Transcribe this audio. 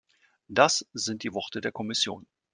Das sind die Worte der Kommission.